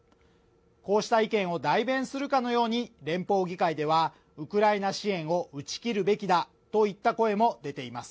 こうした意見を代弁するかのように連邦議会ではウクライナ支援を打ち切るべきだといった声も出ています。